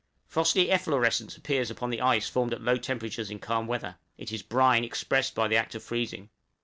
Frosty efflorescence appears upon ice formed at low temperatures in calm weather it is brine expressed by the act of freezing.